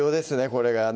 これがね